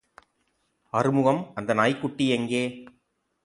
ஆறுமுகம் அந்த நாய்க்குட்டி எங்கே?